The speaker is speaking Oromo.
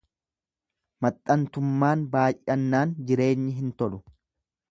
Maxxantummaan baay'annaan jireenyi hin tolu.